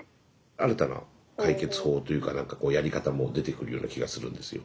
新たな解決法というか何かこうやり方も出てくるような気がするんですよ。